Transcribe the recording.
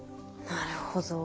なるほど。